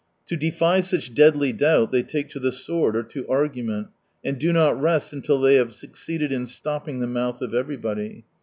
To defy such deadly doubt they take to the sword or to argument, and do not rest until they have succeeded in stopping the mouth of everybody.